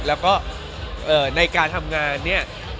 แล้วก็ในการทำงานเนี่ย